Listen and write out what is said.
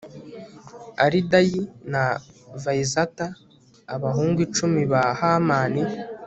aridayi na vayizata abahungu icumi ba hamani